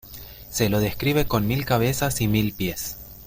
Se lo describe con mil cabezas y mil pies.